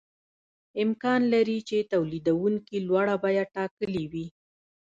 امکان لري چې تولیدونکي لوړه بیه ټاکلې وي